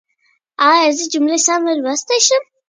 سنگ مرمر د افغان ځوانانو د هیلو استازیتوب کوي.